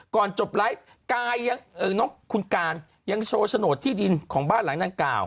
ก่อนจบไลฟ์กายยังคุณกานยังโชว์โฉโนธิดีนของบ้านหลังด้านกราว